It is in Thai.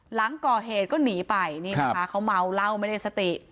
หลังก่อเหตุก็หนีไปนี่นะคะเขาเมาเหล้าไม่ได้สติ